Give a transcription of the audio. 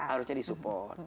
harusnya di support